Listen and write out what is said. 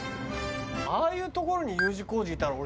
ああいう所にＵ字工事いたら俺。